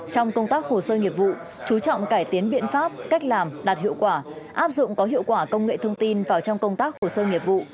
trong công tác hồ sơ nghiệp vụ chú trọng cải tiến biện pháp cách làm đạt hiệu quả áp dụng có hiệu quả công nghệ thông tin vào trong công tác hồ sơ nghiệp vụ